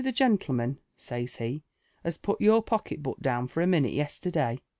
the gentleman,' says he, *as put ywir pocket book down for a minuia yesterday